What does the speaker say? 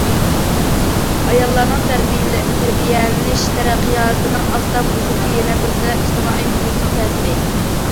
ئاياللارنىڭ تەربىيەلىنىش تەرەققىياتىنىڭ ئاستا بولۇشىدىكى يەنە بىر سەۋەب ئىجتىمائىي مۇھىتنىڭ تەسىرى.